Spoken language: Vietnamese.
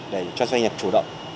để cho doanh nghiệp chủ động